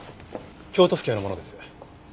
京都府警の者です。